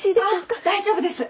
あ大丈夫です。